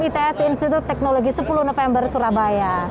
its institut teknologi sepuluh november surabaya